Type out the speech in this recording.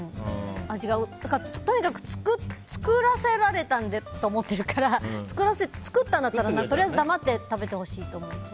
とにかく作らせられたんだと思ってるから作らせたんだったら黙って食べてほしい。